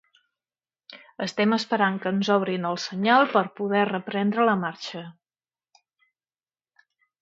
Estem esperant que ens obrin el senyal per a poder reprendre la marxa.